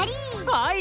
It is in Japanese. はい！